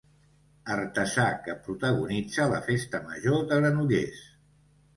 Artesà que protagonitza la festa major de Granollers.